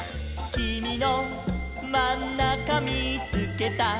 「きみのまんなかみーつけた」